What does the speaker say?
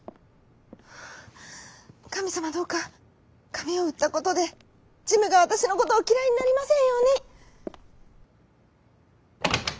・「かみさまどうかかみをうったことでジムがわたしのことをきらいになりませんように」。